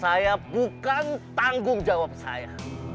saya bukan tanggung jawab saya